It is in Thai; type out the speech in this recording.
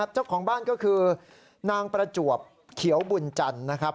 เจ้าของบ้านก็คือนางประจวบเขียวบุญจันทร์นะครับ